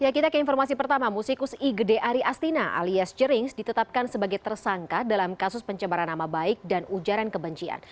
kita ke informasi pertama musikus i gede ari astina alias jerings ditetapkan sebagai tersangka dalam kasus pencemaran nama baik dan ujaran kebencian